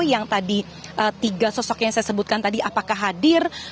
yang tadi tiga sosok yang saya sebutkan tadi apakah hadir